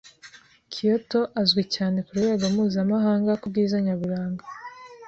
Kyoto azwi cyane ku rwego mpuzamahanga kubera ubwiza nyaburanga.